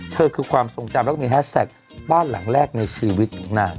เธอคือความทรงจำแล้วก็มีแฮสแท็กบ้านหลังแรกในชีวิตของนาง